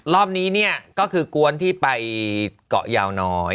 รอบนี้เนี่ยก็คือกวนที่ไปเกาะยาวน้อย